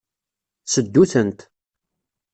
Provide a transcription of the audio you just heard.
Seddu-tent.